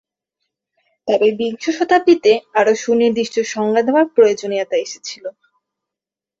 তবে বিংশ শতাব্দীতে, আরও সুনির্দিষ্ট সংজ্ঞা দেওয়ার প্রয়োজনীয়তা এসেছিল।